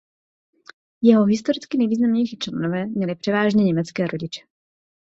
Jeho historicky nejvýznamnější členové měli převážně německé rodiče.